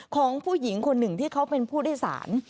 ของผู้หญิงคนหนึ่งที่เขาเป็นผู้โดยสาร